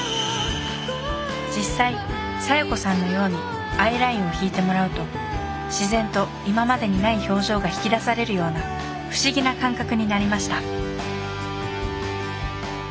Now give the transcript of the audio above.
実際小夜子さんのようにアイラインを引いてもらうと自然と今までにない表情が引き出されるような不思議な感覚になりました